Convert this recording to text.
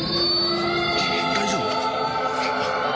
大丈夫？